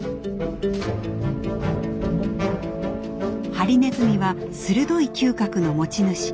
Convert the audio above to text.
ハリネズミは鋭い嗅覚の持ち主。